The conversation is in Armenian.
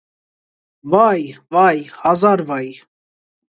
վա՛յ, վա՛յ, հազար վայ…